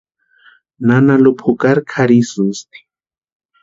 Nana Lupa jukari kʼarhisïsti.